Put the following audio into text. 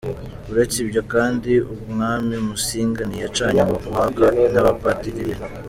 Uretse ibyo kandi, umwami Musinga ntiyacanye uwaka n’abapadiri bera.